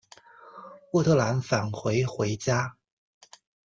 斡特懒返还回家。